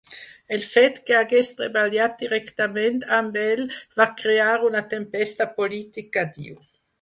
El fet que hagués treballat directament amb ell va crear una tempesta política, diu.